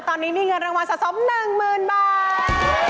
ตอนนี้มีเงินรางวัลสะสม๑๐๐๐บาท